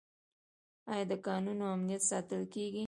آیا د کانونو امنیت ساتل کیږي؟